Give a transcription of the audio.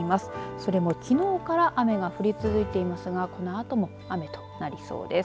それも、きのうから雨が降り続いていますがこのあとも雨となりそうです。